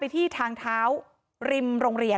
พอครูผู้ชายออกมาช่วยพอครูผู้ชายออกมาช่วย